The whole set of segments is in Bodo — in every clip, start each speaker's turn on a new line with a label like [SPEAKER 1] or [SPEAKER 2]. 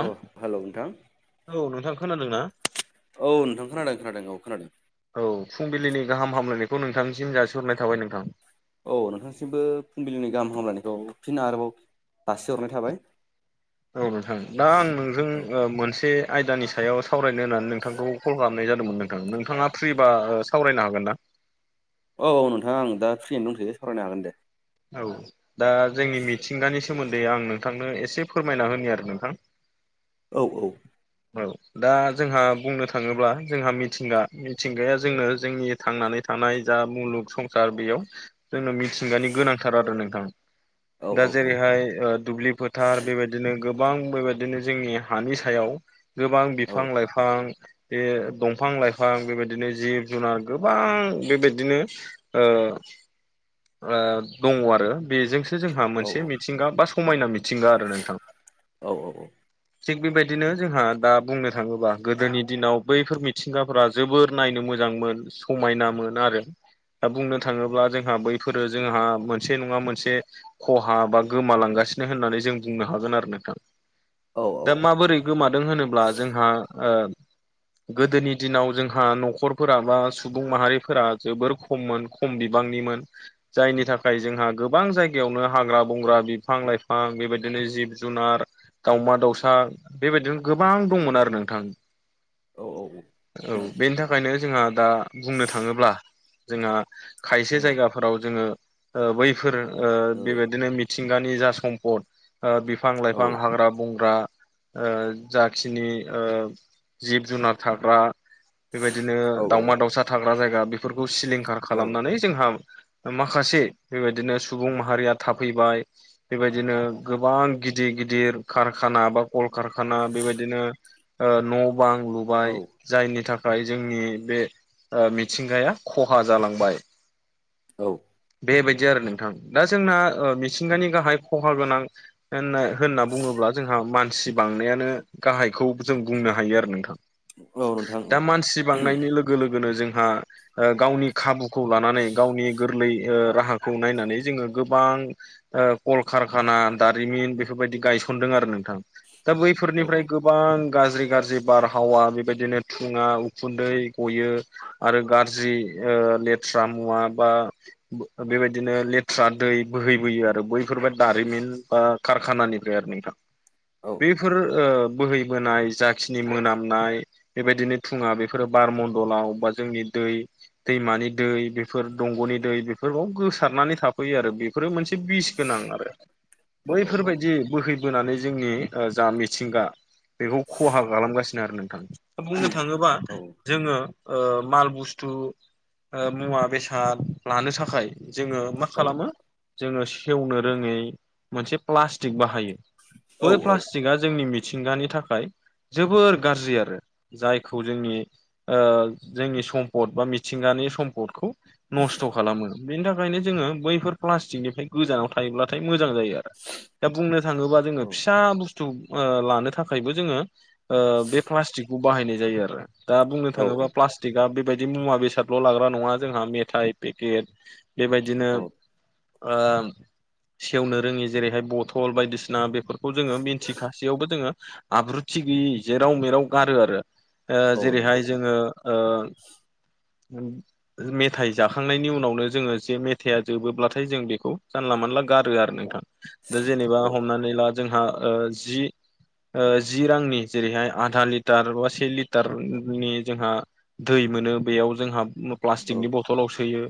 [SPEAKER 1] औ हेलौ नोंथां
[SPEAKER 2] औ नोंथां खोनादों ना?
[SPEAKER 1] औ नोंथां खोनादों खोनादों औ खोनादों।
[SPEAKER 2] औ फुंबिलिनि गाहाम हामलायनायखौ नोंथांनिसिम जासिहरनाय थाबाय नोंथां।
[SPEAKER 1] औ नोंथांसिमबो फुंबिलिनि गाहाम हामलायनायखौ फिन आरोबाव दासि हरनाय थाबाय।
[SPEAKER 2] औ नोंथां दा आं
[SPEAKER 1] औ
[SPEAKER 2] नोंजों मोनसे आयदानि सायाव सावरायनो होननानै नोंथांखौ कल खालामनाय जादोंमोन नोंथां। नोंथाङा फ्रिबा सावरायनो हागोन ना?
[SPEAKER 1] औ नोंथां आं दा फ्रियैनो दंथैयो सावरायनो हागोन दे।
[SPEAKER 2] औ दा जोंनि मिथिंगानि सोमोन्दै आं नोंथांनो एसे फोरमायना होनो आरो नोंथां।
[SPEAKER 1] औ औ
[SPEAKER 2] औ दा जोंहा बुंनो थाङोब्ला जोंहा मिथिंगा मिथिंगाया जोंनो जोंनि थांनानै थानाय जा मुलुग संसार बेयाव जोंनो मिथिंगानि गोनांथार आरो नोंथां
[SPEAKER 1] औ
[SPEAKER 2] दा
[SPEAKER 1] औ
[SPEAKER 2] जेरैहाय दुब्लिफो थार बेबायदिनो गोबां बेबायदिनो जोंनि हानि सायाव गोबां
[SPEAKER 1] औ
[SPEAKER 2] बिफां लाइफां ओ बे दंफां लाइफां बेबायदिनो जिब जुनार गोबां बेबायदिनो दङ आरो बेजों जोंहा
[SPEAKER 1] औ
[SPEAKER 2] मोनसे मिथिंगा बा समायना मिथिंगा आरो नोंथां।
[SPEAKER 1] औ औ औ।
[SPEAKER 2] थिग बेबायदिनो जोंहा दा बुंनो थाङोबा गोदोनि दिनाव बैफोर मिथिंगाफोरा जोबोर नायनो मोजांमोन समायनामोन आरो। दा बुंनो थाङोब्ला जोंहा बैफोरो जोंहा मोनसे नङा मोनसे खहा बा गोमालांगासिनो होननानै जों बुंनो हागोन आरो नोंथां।
[SPEAKER 1] औ
[SPEAKER 2] दा माबोरै गोमादों होनोब्ला जोंहा ओ गोदोनि दिनाव जोंहा न'खरफोरा बा सुबुं माहारिफोरा जोबोर खममोन खम बिबांनिमोन। जायनि थाखाय जोंहा गोबां जायगायावनो हाग्रा बंग्रा बिफां लाइफां बेबायदिनो जिब जुनार दावमा दाउसा बेबायदिनो गोबां दंमोन आरो नोंथां।
[SPEAKER 1] औ औ औ
[SPEAKER 2] औ बेनि थाखायनो जोंहा दा बुंनो थाङोब्ला जोंहा खायसे
[SPEAKER 1] औ
[SPEAKER 2] जायगाफोराव जोङो बैफोर ओ बेबायदिनो मिथिंगानि जा सम्पद बिफां लाइफां हाग्रा बंग्रा ओ जाखिनि ओ जिब जुनार थाग्रा बेबायदिनो दावमा दावसा थाग्रा जायगा बेफोरखौ सिलिंखार खालामनानै जोंहा माखासे बेबायदिनो सुबुं माहारिया थाफैबाय बेबायदिनो गोबां गिदिर गिदिर कारखाना बा कलकारखाना बेबायदिनो न' बां लुबाय जायनि थाखाय जोंनि बे मिथिंगाया खहा जालांबाय।
[SPEAKER 1] औ
[SPEAKER 2] बेबायदि आरो नोंथां। दा जोंना मिथिंगानि गाहाय खहा गोनां होननो होनना बुङोब्ला जोंहा मानसि बांनायानो गाहायखौ जों बुंनो हायो आरो नोंथां।
[SPEAKER 1] औ नोंथां औ
[SPEAKER 2] दा मानसि बांनायनि लोगो लोगोनो जोंहा गावनि खाबुखौ लानानै गावनि गोरलै ओ राहा खौ नायनानै जोङो गोबां ओ कलकारखाना दारिमिन बेफोरबायदि गायसनदों आरो नोंथां। दा
[SPEAKER 1] औ
[SPEAKER 2] बैफोरनिफ्राय गोबां गाज्रि गाज्रि बारहावा बेबायदिनो थुङा उखुन्दै गयो। आरो गाज्रि ओ लेथ्रा मुवा बा बेबायदिनो लेथ्रा दै बोहैबोयो आरो बैफोरबो दारिमिन बा कारखानानिफ्राय आरो नोंथां।
[SPEAKER 1] औ
[SPEAKER 2] बेफोर ओ बोहैबोनाय जाखिनि मोनामनाय बेबायदिनो थुङा बेफोरो बारमन्दलाव बा जोंनि दै दैमानि दै बेफोर दंग'नि दै बेफोरखौ गोसारनानै था फैयो आरो बेफोरो मोनसे बिस गोनां आरो
[SPEAKER 1] औ औ
[SPEAKER 2] बैफोरबायदि बोहैबोनानै जोंनि ओ जा मिथिंगा बेखौ खहा खालामगासिनो आरो नोंथां दा बुंनो थाङोबा जोङो ओ माल बुस्थु मुवा बेसाद लानो थाखाय जोङो मा
[SPEAKER 1] औ
[SPEAKER 2] खालामो जोङो सेवनो रोङै मोनसे प्लास्टिक बाहायो। बै
[SPEAKER 1] औ
[SPEAKER 2] प्लास्टिकआ जोंनि मिथिंगानि थाखाय जोबोर गाज्रि आरो। जायखौ जोंनि जोंनि सम्पद बा मिथिंगानि सम्पदखौ नस्थ' खालामो बेनि थाखायनो जोङो बैफोर प्लास्टिकनिफ्राय गोजानाव थायोब्लाथाय मोजां जायो आरो दा बुंनो थाङोबा जोङो फिसा बुस थु ओ लानो थाखायबो जोङो ओ बे प्लास्टिकखौ बाहायनाय जायो आरो। दा बुंनो थाङोब्ला प्लास थिगा बेबायदि मुवा बेसादल' लाग्रा नङा जोंहा मेथाइ पेकेट बेबायदिनो ओ सेवनो रोङि जेरैहाय बथल बायदिसिना बेफोरखौ जोङो मि बेयावबो जोङो आब्रुथि गैयै जेराव मेराव गारो आरो ओ
[SPEAKER 1] औ नंगौ
[SPEAKER 2] जेरैहाय जोङो ओ उम मेथाइ जाखांनायनि उनावनो जोङो जे मेथाइआ जोबोब्लाथाय जों बेखौ जानला मोनला गारो आरो नोंथां। दा जेनेबा
[SPEAKER 1] औ
[SPEAKER 2] हमनानै ला जोंहा ओ जि ओ जि रांनि जेरैहाय आधा लिटार बा से लिटारनि जोंहा दै मोनो बेयाव जोंहा
[SPEAKER 1] औ
[SPEAKER 2] प्लास्टिकनि बथलाव सोयो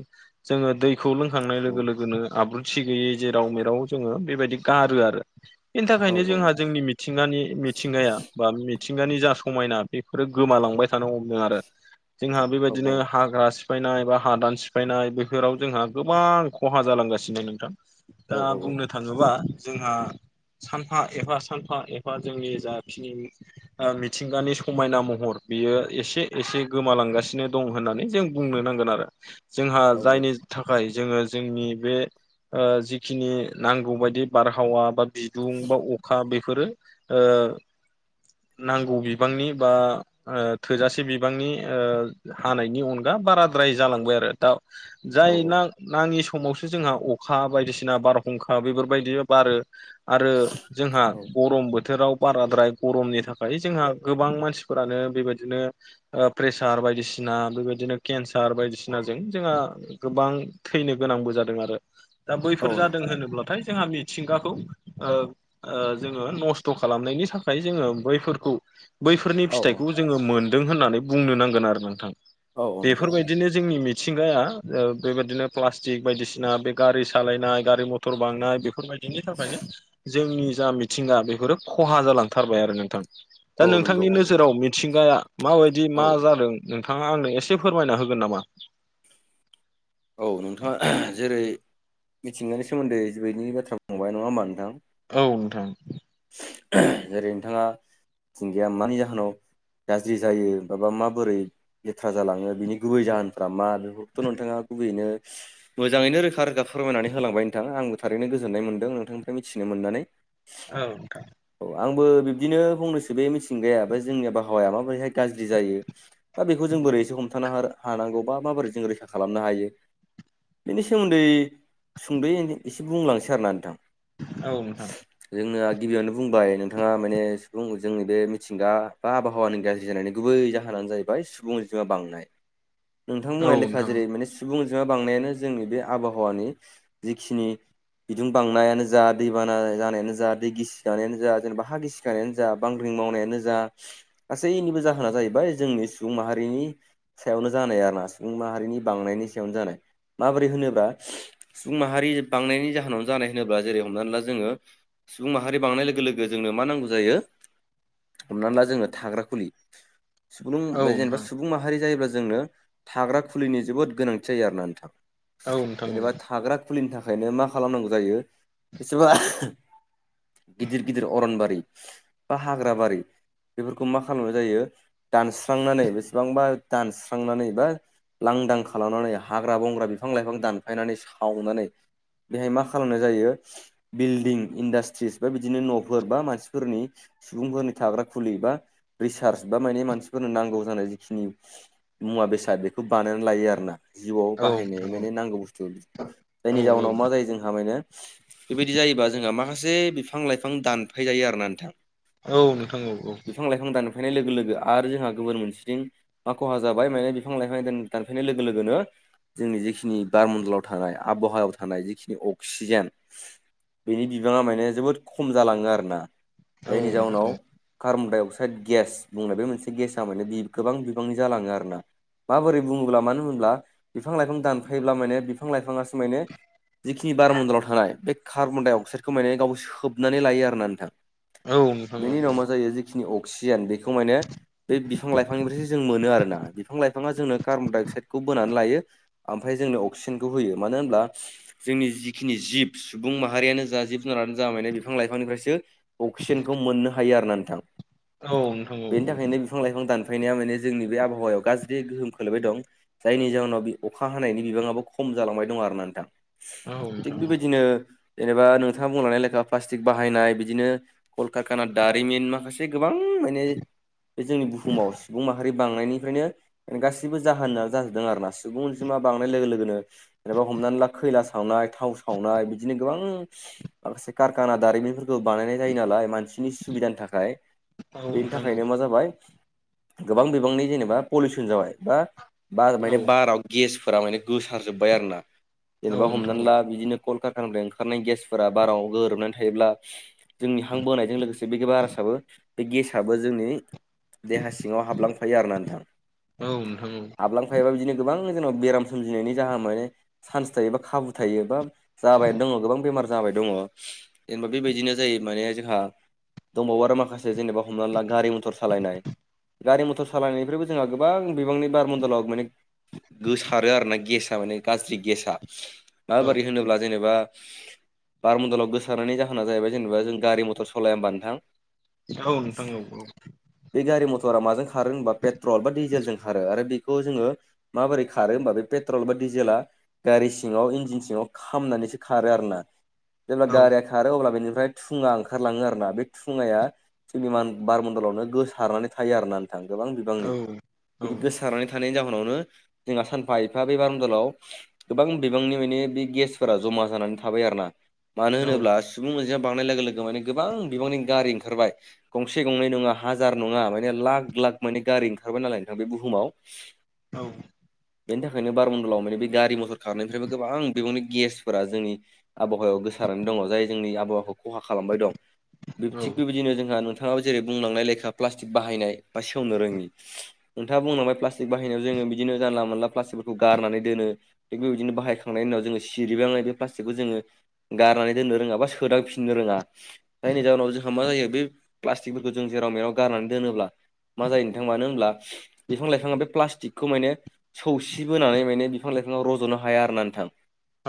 [SPEAKER 2] जोङो दैखौ लोंखांनाय
[SPEAKER 1] औ औ
[SPEAKER 2] लोगो लोगोनो आब्रु थि गैयै जेराव मेराव जोङो बेबायदि गारो आरो बेनि थाखायनो जोंहा जोंनि मिथिंगानि मिथिंगाया बा मिथिंगानि जा समायना बेफोरो गोमालांबाय थानो हमदों आरो। जोंहा बेबायदिनो हाग्रा सि फायनाय बा हादान सिफायनाय बेफोराव जोंहा गोबां खहा जालांगासिनो नोंथां।
[SPEAKER 1] औ
[SPEAKER 2] दा
[SPEAKER 1] औ
[SPEAKER 2] बुंनो थाङोबा जोंहा सानफा एफा सानफा एफा जोंनि जाखिनि मिथिंगानि समायना महर बियो एसे एसे गोमालांगासिनो दं होननानै जों बुंनो नांगोन आरो जोंहा
[SPEAKER 1] औ
[SPEAKER 2] जायनि थाखाय जोङो जोंनि बे ओ जिखिनि नांगौ बायदि बारहावा बा बिदुं बा अखा बे फोरो ओ नांगौ बिबांनि बा ओ थोजासे बिबांनि ओ हानायनि अनगा बाराद्राय जालांबाय आरो दा
[SPEAKER 1] औ
[SPEAKER 2] जायना नाङि समावसो जोंहा अखा बायदिसिना बारहुंखा बेफोरबायदि बारो। आरो जोंहा
[SPEAKER 1] औ
[SPEAKER 2] गरम बोथोराव बाराद्राय गरमनि थाखाय जोंहा गोबां मानसिफोरानो बेबायदिनो ओ प्रेसार बायदिसिना बेबायदिनो केन्सार बायदिसिनाजों जोंहा गोबां थैनो गोनांबो जादों आरो। दा
[SPEAKER 1] औ
[SPEAKER 2] बैफोर जादों
[SPEAKER 1] नंगौ
[SPEAKER 2] होनोब्लाथाय जोंहा मिथिंगाखौ ओ ओ जोङो नस्थ' खालामनायनि थाखाय जोङो बैफोरखौ बैफोरनि
[SPEAKER 1] औ
[SPEAKER 2] फिथाइखौ जोङो मोनदों होन्नानै बुंनो नांगोन आरो नोंथां
[SPEAKER 1] औ औ नंगौ
[SPEAKER 2] बेफोरबायदिनो जोंनि मिथिंगाया ओ बेबायदिनो प्लास्टिक बायदिसिना बे गारि सालायनाय गारि मथर बांनाय बेफोरबाय बिनि थाखायनो जोंनि जा मिथिंगा बेफोरो खहा जालांथारबाय आरो नोंथां। दा
[SPEAKER 1] औ नंगौ
[SPEAKER 2] नोंथांनि
[SPEAKER 1] औ
[SPEAKER 2] नोजोराव मिथिंगाया माबायदि
[SPEAKER 1] औ
[SPEAKER 2] मा जादों? नोंथाङा आंनो एसे फोरमायना होगोन नामा?
[SPEAKER 1] औ नोंथाङा जेरै मिथिंगानि सोमोन्दै बेबायदिनि बाथ्रा बुंखांबाय नङा होमबा नोंथां?
[SPEAKER 2] औ नोंथां
[SPEAKER 1] जेरै नोंथाङा थिंगाया मानि जाहोनाव गाज्रि जायो बा माबोरै लेथ्रा जालाङो बिनि गुबै जाहोनफ्रा मा बेफोरखोथ' नोंथाङा गुबैयैनो मोजाङैनो रोखा रोखा फोरमायनानै होलांबाय नोंथां आंबो थारैनो गोजोन्नाय मोनदों नोंथांनिफ्राय मिथिनो मोननानै।
[SPEAKER 2] औ नोंथां
[SPEAKER 1] औ आंबो बिब्दिनो बुंनोसो बे मिथिंगाया बे जोंनि आबहावाया माबोरैहाय गाज्रि जायो। दा बेखौ जों बोरैसो हमथानो हा-हानांगौ बा माबोरै जों रैखा खालामनो हायो। बेनि सोमोन्दै सुंद' एने-एसे बुंलांसै आरो ना नोंथां।
[SPEAKER 2] औ नोंथां
[SPEAKER 1] जोंना गिबियावनो बुंबाय नोंथाङा माने सुबुं जोंनि बे मिथिंगा बा आबहावानि गाज्रि जानायनि गुबै जाहोनानो जाहै बाय सुबुं अनजिमा बांनाय
[SPEAKER 2] [inaudible]
[SPEAKER 1] नोंथां
[SPEAKER 2] औ
[SPEAKER 1] बुंनाय लेखा
[SPEAKER 2] नोंथां
[SPEAKER 1] जेरै माने सुबुं अनजिमा बांनायानो जोंनि बे आबहावानि जिखिनि बिदुं बांनायानो जा दैबाना जानायानो जा दै गिसि जानायानो जेनेबा हा गिसिखानायानो जा बांग्रिं मावनायानो जा गासैनिबो जाहोना जाहैबाय जोंनि सुबुं माहारिनि सायावनो जानाय आरो ना सुबुं माहारिनि बांनायनि सायावनो जानाय माबोरै होनोब्ला सुबुं माहारि बांनायनि जाहोनावनो जानाय होनोब्ला जेरै हमनानै ला जोङो सुबुं मा माहारि बांनाय लोगो लोगो जोंनो मा नांगौ जायो हमना ला जोंङो थाग्रा खुलि सुब्रुं
[SPEAKER 2] औ
[SPEAKER 1] ओमफ्राय जेनेबा
[SPEAKER 2] नोंथां
[SPEAKER 1] सुबुं सुबुं माहारि जायोब्ला जोंनो थाग्रा खुलिनि जोबोद गोनांथि जायो आरोना नोंथाङा।
[SPEAKER 2] औ नोंथां औ नोंथां
[SPEAKER 1] जेनेबा थाग्रा खुलिनि थाखायनो मा खालामनांगौ जायो एसेबां गिदिर गिदिर अरनबारि बा हाग्रा बारि बेफोरखौ मा खालामनाय जायो दानस्रांनानै बेसेबांबा दानस्रांनानै बा लांदां खालामनानै हाग्रा बंग्रा बिफां लाइफां दानफायनानै सावनानै बेहाय मा खालामनाय जायो बिल्डिं इन्डास्ट्रि फोर बिदिनो न'फोर बा मानसिफोरनि सुबुंफोरनि थाग्रा खुलि बा रिसार्च बा माने मानसिफोरनो नांगौ जानाय जिखिनि मुवा बेसाद बेखौ बानायनानै लायो आरो ना जिउआव
[SPEAKER 2] औ
[SPEAKER 1] बाहायनाय
[SPEAKER 2] नोंथां
[SPEAKER 1] माने नांगौ बुस्थु जायनि
[SPEAKER 2] औ औ औ
[SPEAKER 1] जाहोनाव मा जायो जोंहा माने बेबायदि जायोबा जोंहा माखासे बिफां लाइफां दानफाय जायो आरोना नोंथां।
[SPEAKER 2] औ नोंथां औ औ
[SPEAKER 1] बिफां लाइफां दानफायनाय लोगो लोगो आरो जोंहा गुबुन मोनसेथिं मा खहा जाबाय माने बिफां लाइफां दान दानफायनाय लोगो लोगोनो जोंनि जिखिनि बारमन्डलाव थानाय आबहावायाव थानाय जिखिनि अक्सिजेन बेनि बिबाङा माने जोबोद खम जालाङो आरोना
[SPEAKER 2] औ
[SPEAKER 1] जायनि
[SPEAKER 2] नोंथां
[SPEAKER 1] जाउनाव
[SPEAKER 2] औ
[SPEAKER 1] कार्बनडाय अक्साइड गेस बुंनाय बे मोनसे गेसा माने गोबां बिबांनि जालाङो आरो ना। माबोरै बुङोब्ला मानो होनोब्ला बिफां लाइफां दानफायोब्ला माने बिफां लाइफाङा मानो जिखिनि बारमण्डलाव थानाय बे कार्बन डाइ अक्सखौ गाव खोबनानै लायो आरोना नोंथां
[SPEAKER 2] औ नोंथां औ
[SPEAKER 1] बेनि उनाव मा जायो जिखिनि अक्सिजेन बेखौ माने बे बिफां लाइफांनिफ्रायसो जों मोनो आरोना बिफां लाइफाङा जोंनो कार्बन डाय अक्साइदखौ बोनानै लायो। ओमफ्राय जोंनो अक्सिजेनखौ होयो मानो होनब्ला जोंनि जिखिनि जिब सुबुं माहारियानो जा जिब जुनारानो जा माने बिफां लाइफांनिफ्रायसो अक्सिजेनखौ मोननो हायो आरो ना नोंथां।
[SPEAKER 2] औ नोंथां औ
[SPEAKER 1] बेनि थाखायनो बिफां लाइफां दानफायनाया माने जोंनि बे आबहावायाव गाज्रि गोहोम खोलैबाय दं। जायनि जाहोनाव बे अखा हानायनि बिबाङाबो खम जालांबाय दं आरो ना नोंथां।
[SPEAKER 2] औ औ
[SPEAKER 1] थिग
[SPEAKER 2] नोंथां औ
[SPEAKER 1] बेबायदिनो जेनेबा नोंथाङा बुंलांनाय ले खा प्लास्टिक बाहायनाय बिदिनो कलकारकाना दारिमिन माखासे जे गोबां माने बे जोंनि बुहुमाव सुबुं माहारि बांनायनिफ्रायनो गासिबो जाहोना जाजोबदों आरोना सुबुं अनजिमा बांनाय लोगो लोगोनो जेनेबा हमनानै ला खैला सावनाय थाव सावनाय बिदिनो गोबां माखासे कारखाना दारिमिनफोरखौ बानायनाय जायो नालाय मानसि बिनि सुबिदानि थाखाय
[SPEAKER 2] औ
[SPEAKER 1] बेनि
[SPEAKER 2] नोंथां
[SPEAKER 1] थाखायनो मा जाबाय गोबां बिबांनि जेनेबा पलिउसन जाबाय बा बार
[SPEAKER 2] औ
[SPEAKER 1] माने बाराव गेसफोरा माने गोसारजोबबाय आरो ना
[SPEAKER 2] औ
[SPEAKER 1] जेनेबा
[SPEAKER 2] नोंथां
[SPEAKER 1] हमनानै ला बिदिनो। कलकारकानिफ्राय ओंखारनाय गेसफोरा बाराव गोरोबनानै थायोब्ला। जोंनि हां बोनायजों लोगोसे बे बारासाबो बे गेसआबो जोंनि। देहा सिङाव हाबलांफायो आरो ना नोंथां
[SPEAKER 2] औ नोंथां
[SPEAKER 1] आबलां फायाबा बिदिनो गोबां जेनेबा बेराम सोमजिनायनि जाहा माने चान्स थायो बा खाबु थायो बा जाबायनो दङ गोबां बेमार जाबाय दङ जेनेबा बेबायदिनो जायो माने जोंहा दंबावो आरो माखासे जेनेबा हमनानै ला गारि मथर सालायनाय। गारि मथर सालायनायनिफ्रायबो जोंहा गोबां बिबांनि बारमण्डलाव माने गोसारो आरो ना गेसा माने गाज्रि गेसा
[SPEAKER 2] औ
[SPEAKER 1] माबोरै होनोब्ला जेनेबा बारमन्दलाव गोसारनायनि जाहोना जाहैबाय जेनेबा जों गारि मथर सालाया हबा नोंथां?
[SPEAKER 2] औ नोथां औ औ
[SPEAKER 1] बे गारि मथरा माजों खारो होनबा पेट्रल बा डिजेलजों खारो आरो बेखौ जोङो। माबोरै खारो होनबा बे पेट्रल बा डिजेला। गारि सिङाव इन्जिन सिङाव खामनानैसो खारो आरो ना। जेब्ला गारिया खारो अब्ला बेनिफ्राय थुङा ओंखारलाङो आरोना बे थुङाया। जेनेबा बारमन्दलावनो गोसारनानै थायो आरो ना नोंथां गोबां बिबांनि बिदि गोसारनानै। थानायनि जाहोनावनो जोंहा सानफा एफा बे बारम दलाव गोबां बिबांनि माने बे गेसफोरा जमा जानानै थाबाय आरोना मानो होनोब्ला सुबुं मोनजिमा बांनाय लोगो लोगो माने गोबां बिबांनि गारि ओंखारबाय। गंसे गंनै नङा हाजार नङा माने लाख लाख माने गारि ओंखारबाय नालाय नोंथां बे बुहुमाव।
[SPEAKER 2] औ
[SPEAKER 1] बेनि थाखायनो बारमडलाव माने बे गारि मथर खारनायनिफ्रायबो गोबां बेबांनि गेसफोरा जोंनि। आबहावायाव गोसारनानै दङ जाय जोंनि आबहावाखौ खहा खालामबाय दं थिग बेबायदिनो जोंहा नों थाङाबो जेरै बुंलांनाय लेखा प्लास्टिक बाहायनाय बा सेवनो रोङि। नोंथाङा बुंनांबाय प्लास्टिक बाहायनायाव जोङो बिदिनो जानला मोनला प्लास्टिकफोरखौ गारनानै दोनो। थिग बेबायदिनो बाहायखांनायनि उनाव जोङो सिरिबा बे प्लास्टिकखौ जोङो गारनानै दोननो रोङा बा सोदांफिननो रोङा जायनि जउोनाव जोंहा मा जायो बे। प्लास्टिकफोरखौ जों जेराव मेराव गारनानै दोनोब्ला मा जायो नोंथां मानो होनब्ला बिफां लाइफाङा बे प्लास्टिकखौ माने। सौसिबोनानै माने बिफां लाइफाङाव रजनो हाया आरोना नोंथां।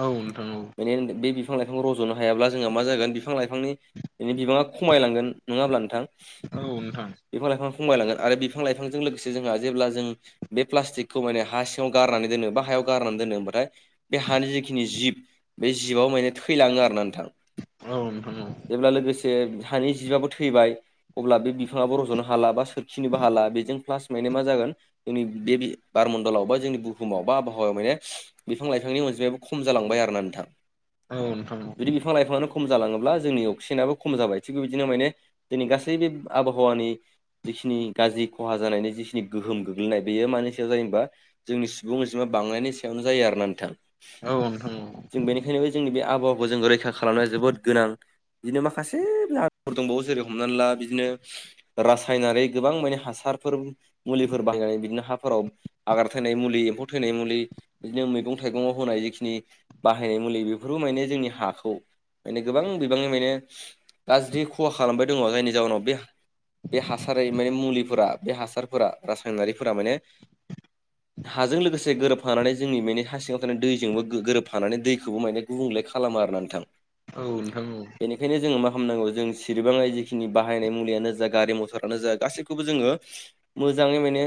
[SPEAKER 2] औ नोंथां औं।
[SPEAKER 1] बे बे बिफां लाइफांखौ रजनो हायाब्ला जोंहा मा जागोन बिफां लाइफांनि बिनि बिबाङा खमायलांगोन नङा होमब्ला नोंथां।
[SPEAKER 2] औ नोंथां
[SPEAKER 1] बिफां लाइफां खमायलांगोन आरो बिफां लाइफांजों लोगोसे जोंहा जेब्ला जों। बे प्लास्टिकखौ माने हा सिङाव गारनानै दोनो बा हायाव गारनानै दोनो ओमबाथाय। बे हानि जिखिनि जिब बे जिबआव माने थैलाङो आरो ना नोंथां।
[SPEAKER 2] औ नोंथां औ
[SPEAKER 1] जेब्ला लोगोसे हानि जिबाबो थैबाय। अब्ला बे बिफाङाबो रजनो हाला बा सोरखिनोबो हाला बेजों प्लास माने मा जागोन। जोंनि बे बारमणडलाव बा जोंनि बुहुमाव बा आबहावायाव माने। बिफां लाइफांनि अनजिायो खम जालांबाय आरो ना नोंथां।
[SPEAKER 2] औ नोंथां औ
[SPEAKER 1] जुदि बिफां लाइफाङआनो खम जालाङोब्ला जोंनि अक्सिजेनाबो खम जाबाय थिग बे बिदिनो माने। दिनै गासै बे आबहावानि। जिखिनि गाज्रि खहा जानायनि जिखिनि गोहोम गोग्लैनाय बेयो मानसिया जेनबा। जोंनि सुबुं अनजिमा बांनायनि सायावनो जायो आर ना नोंथां।
[SPEAKER 2] औ नोंथां औ
[SPEAKER 1] जों बेनिखायनोबो जोंनि बे आबहावाखौ जों रैखा खालामनाया जोबोद गोनां बिदिनो माखासेफोर दंबावो जेरै हमनानै ला बिदिनो रासायनारि गोबां माने हासारफोर मुलिफोर बाहायनानै बिदिनो हाफोराव हाग्रा थैनाय मुलि एम्फौ थैनाय मुलि बिदिनो मैगं थाइगंआव होनाय जिखिनि बाहायनाय मुलि बे बेफोरबो माने जोंनि हाखौ माने गोबां बिबाङै माने गाज्रि खहा खालामबाय दङ जायनि जाउनाव बे बे हासारै माने मुलिफोरा बे हासारफोरा रासायनारिफोरा माने हाजों लोगोसे गोरोबफानानै जोंनि माने हा सिङाव थानाय दैजोंबो गोरोबफानानै दैखौबो माने गुबुंले खालामो आरो ना नोंथां
[SPEAKER 2] औ नोंथां औ
[SPEAKER 1] बेनिखायनो जोङो मा खालामनांगौ जों सिरिबाङै जिखिनि बाहायनाय मुलियानो जा गारि मथरानो जा गासैखौबो जोङो मोजाङै माने